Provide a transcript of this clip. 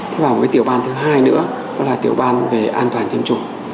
thế và một cái tiểu ban thứ hai nữa là tiểu ban về an toàn tiêm chủng